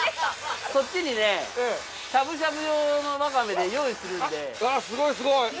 そっちにねすごいすごい！